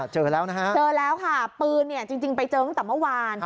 เจอแล้วนะฮะเจอแล้วค่ะปืนเนี่ยจริงไปเจอตั้งแต่เมื่อวาน